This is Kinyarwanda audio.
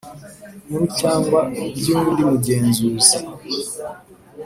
Nkuru cyangwa by undi mugenzuzi